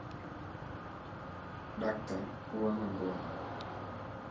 Doctor, ও আমার বোন।